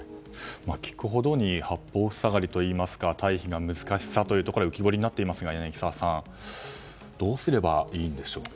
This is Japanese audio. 聞くほどに八方塞がりというか退避の難しさが浮き彫りになっていますが柳澤さんどうすればいいんでしょうか。